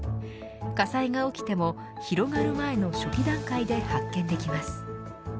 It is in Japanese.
火災が起きても広がる前の初期段階で発見できます。